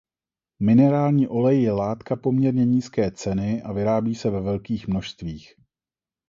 Minerální olej je látka poměrně nízké ceny a vyrábí se ve velkých množstvích.